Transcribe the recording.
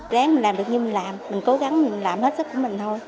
ráng mình làm được nhưng mình làm mình cố gắng mình làm hết sức của mình thôi